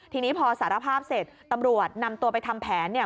ทีนี้พอสารภาพเสร็จตำรวจนำตัวไปทำแผนเนี่ย